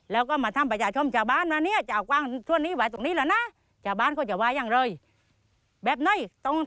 แล้วก็มาทำประจาชมชาวบ้านพี่หาให้สวนตะวรี